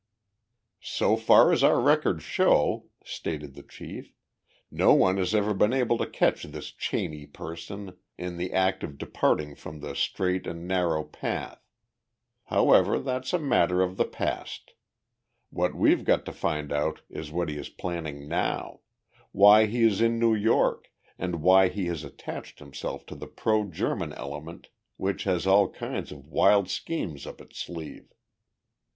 "So far as our records show," stated the chief, "no one has ever been able to catch this Cheney person in the act of departing from the straight and narrow path. However, that's a matter of the past. What we've got to find out is what he is planning now why he is in New York and why he has attached himself to the pro German element which has all kinds of wild schemes up its sleeve."